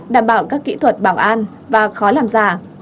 đảm bảo các kỹ thuật bảo an và khó làm giả